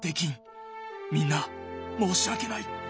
みんな申し訳ない！